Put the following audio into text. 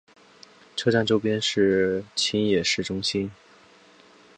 车站周边是秦野市中心。